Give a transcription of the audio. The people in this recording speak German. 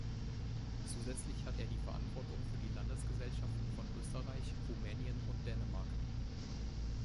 Zusätzlich hat er die Verantwortung für die Landesgesellschaften von Österreich, Rumänien und Dänemark.